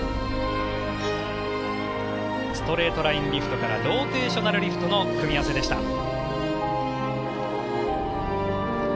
ストレートラインリフトからローテーショナルリフトの組み合わせでした。